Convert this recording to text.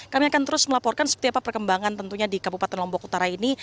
kami akan terus melaporkan seperti apa perkembangan tentunya di kabupaten lombok utara ini